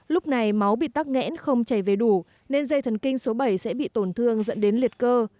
lúc này máu bị tắc nghẽn không chảy về đủ nên dây thần kinh số bảy sẽ bị tổn thương dẫn đến liệt cơ